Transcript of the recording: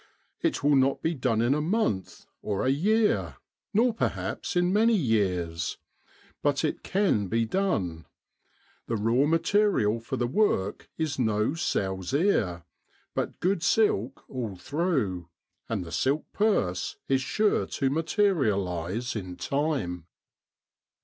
It will not be done in a month or a year, nor perhaps in many years; but it can be done. The raw material for the work is no sow's ear, but good silk all through ; and the silk purse is sure to materialise in time.